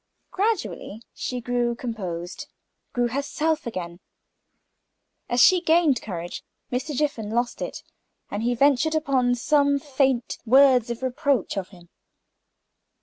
Gradually she grew composed grew herself again. As she gained courage, Mr. Jiffin lost it, and he ventured upon some faint words of reproach, of him.